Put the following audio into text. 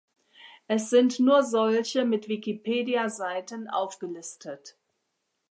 Es sind nur solche mit Wikipedia-Seiten aufgelistet.